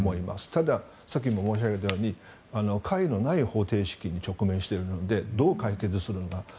ただ、さっきも申し上げたように解のない方程式に直面しているのでどう解決するんだと。